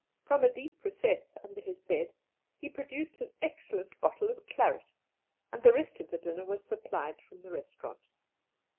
From a deep recess under his bed he produced an excellent bottle of claret, and the rest of the dinner was supplied from the restaurant.